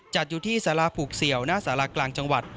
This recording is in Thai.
จัดอยู่ที่สาราผูกเสี่ยวหน้าสารากลางจังหวัด